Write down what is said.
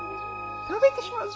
食べてしまうぞ！